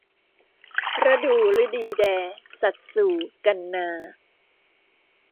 ระดูฤดีแด สัตว์สู่ กันนา